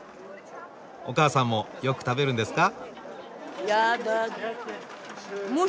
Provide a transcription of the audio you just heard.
おかあさんもよく食べるんですか？